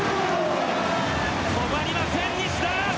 止まりません西田！